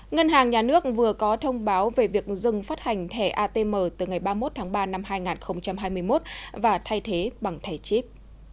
ngân hàng nhà nước vừa có thông báo về việc dừng phát hành thẻ atm từ ngày ba mươi một tháng ba năm hai nghìn hai mươi một và thay thế bằng thẻ chip